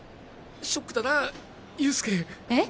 ショックだな憂助えっ？